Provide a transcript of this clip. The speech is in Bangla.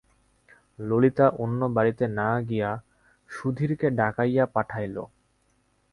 ললিতা অন্য বাড়িতে না গিয়া সুধীরকে ডাকাইয়া পাঠাইল।